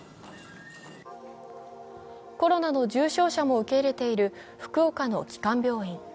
コロナの重症者も受け入れている福岡の基幹病院。